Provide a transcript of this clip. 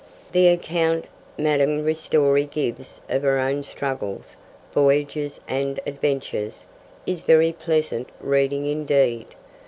The account Madame Ristori gives of her own struggles, voyages and adventures, is very pleasant reading indeed.